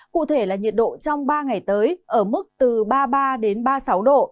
cụ thể là nhiệt độ trong ba ngày tới ở mức từ ba mươi ba đến ba mươi sáu độ